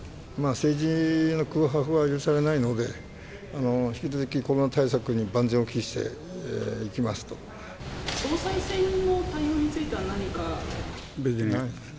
政治の空白は許されないので、引き続きコロナ対策に万全を期し総裁選の対応については何か。